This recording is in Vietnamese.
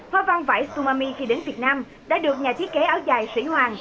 hoa vang vải tsumami khi đến việt nam đã được nhà thiết kế áo dài sĩ hoàng